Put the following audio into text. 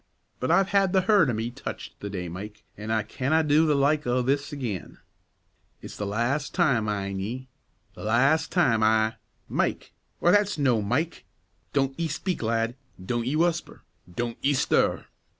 But I've had the hert o' me touched the day, Mike, an' I canna do the like o' this again; it's the las' time, min' ye, the las' time I Mike! why, that's no' Mike! Don't ye speak, lad! don't ye whusper! don't ye stir!"